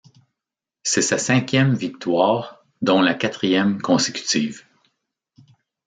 C'est sa cinquième victoire, dont la quatrième consécutive.